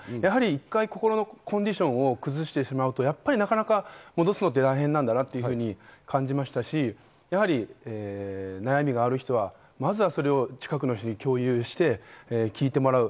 一回、心のコンディションを崩してしまうと、なかなか戻すのは大変なんだなと感じましたし、悩みがある人は、まずは近くの人に共有して聞いてもらう。